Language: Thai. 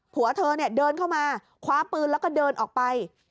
ผัวเธอเนี่ยเดินเข้ามาคว้าปืนแล้วก็เดินออกไป